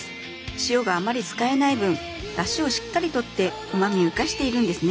塩があまり使えない分だしをしっかりとってうまみをいかしているんですね。